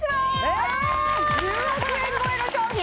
え１０億円超えの商品？